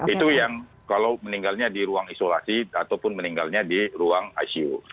itu yang kalau meninggalnya di ruang isolasi ataupun meninggalnya di ruang icu